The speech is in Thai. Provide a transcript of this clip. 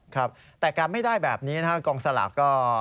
ครับแต่การไม่ได้แบบนี้นะครับกองสลากก็